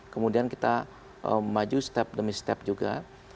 kemudian kita maju step demi step juga